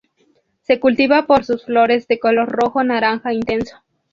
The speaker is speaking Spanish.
Se cultiva por sus flores de color rojo-naranja intenso.